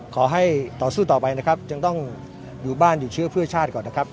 ขอให้ต่อสู้ต่อไปนะครับยังต้องอยู่บ้านอยู่เชื้อเพื่อชาติก่อนนะครับ